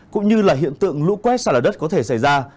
cũng như là hiện tượng lũ quét xa lở đất có thể xảy ra